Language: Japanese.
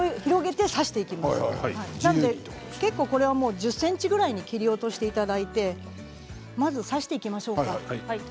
１０ｃｍぐらいに切り落としていただいてまず挿していきましょうか。